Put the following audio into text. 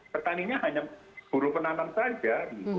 petaninya hanya buruh penanam saja